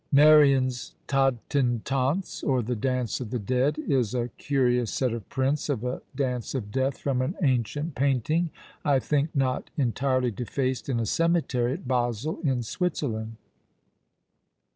Merian's "Todten Tanz," or the "Dance of the Dead," is a curious set of prints of a Dance of Death from an ancient painting, I think not entirely defaced, in a cemetery at Basle, in Switzerland.